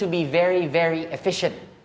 anda harus sangat efisien